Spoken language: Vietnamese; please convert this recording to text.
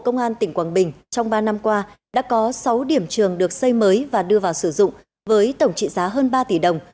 công an tỉnh quảng bình trong ba năm qua đã có sáu điểm trường được xây mới và đưa vào sử dụng với tổng trị giá hơn ba tỷ đồng